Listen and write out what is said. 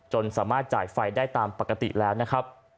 สามารถจ่ายไฟได้ตามปกติแล้วนะครับ